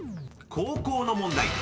［高校の問題］